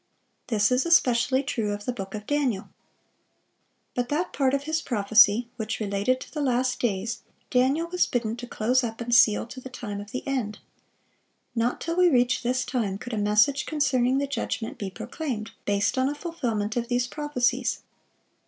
This is especially true of the book of Daniel. But that part of his prophecy which related to the last days, Daniel was bidden to close up and seal "to the time of the end." Not till we reach this time could a message concerning the judgment be proclaimed, based on a fulfilment of these prophecies.